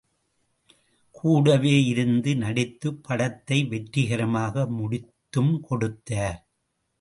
கூடவே இருந்து நடித்துப் படத்தை வெற்றிகரமாக முடித்தும் கொடுத்தார்.